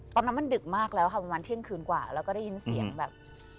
ตอนนั้นมันดึกมากแล้วค่ะประมาณเที่ยงคืนกว่าแล้วก็ได้ยินเสียงแบบ